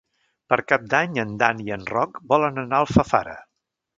Per Cap d'Any en Dan i en Roc volen anar a Alfafara.